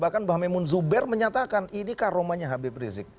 bahkan bahamemun zuber menyatakan ini karomanya habib rizik